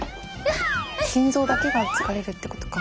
心臓だけが疲れるってことか。